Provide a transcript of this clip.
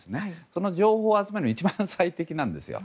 その情報を集めるのに一番、最適なんですよ。